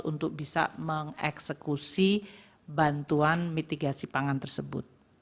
untuk bisa mengeksekusi bantuan mitigasi pangan tersebut